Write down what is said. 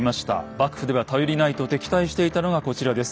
幕府では頼りないと敵対していたのがこちらです。